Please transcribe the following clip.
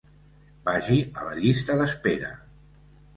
Vagi a la llista d'espera.